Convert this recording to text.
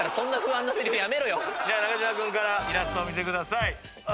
中島君からイラストお見せください。